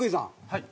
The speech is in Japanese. はい。